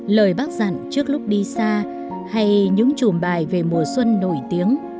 lời bác dặn trước lúc đi xa hay những chùm bài về mùa xuân nổi tiếng